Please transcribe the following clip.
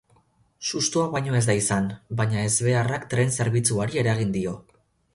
Sustoa baino ez da izan, baina ezbeharrak tren zerbitzuari eragin dio.